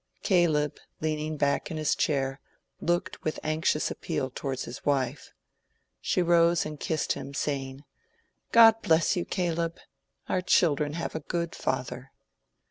Caleb, leaning back in his chair, looked with anxious appeal towards his wife. She rose and kissed him, saying, "God bless you, Caleb! Our children have a good father."